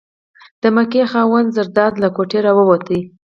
د مکۍ خاوند زرداد له کوټې راووت.